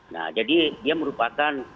nah jadi dia merupakan